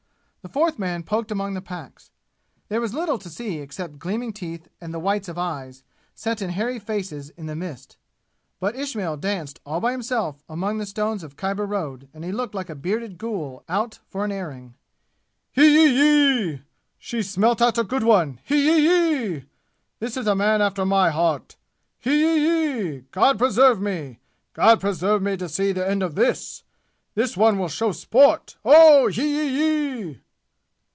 The fourth man poked among the packs. There was little to see except gleaming teeth and the whites of eyes, set in hairy faces in the mist. But Ismail danced all by himself among the stones of Khyber road and he looked like a bearded ghoul out for an airing. "Hee yee yee! She smelt out a good one! Hee yee yee! This is a man after my heart! Hee yee yee! God preserve me! God preserve me to see the end of this! This one will show sport! Oh yee yee yee!"